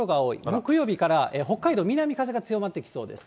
木曜日から北海道、南風が強まってきそうです。